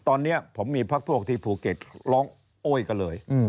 ตอนนี้ผมมีพักพวกที่ภูเก็ตร้องโอ๊ยกันเลย